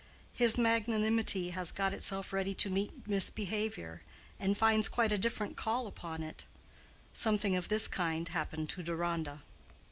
His magnanimity has got itself ready to meet misbehavior, and finds quite a different call upon it. Something of this kind happened to Deronda.